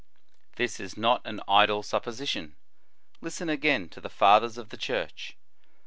* This is not an idle supposition. Listen again to the Fathers of the Church.